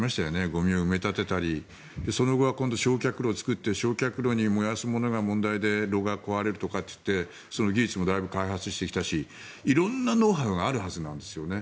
ゴミを埋め立てたりその後は今度、焼却炉を作ったり焼却炉で燃やすものが問題で炉が壊れるとかってその技術もだいぶ開発してきたし色んなノウハウがあるはずなんですよね。